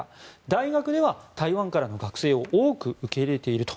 大学では台湾からの学生を多く受け入れていると。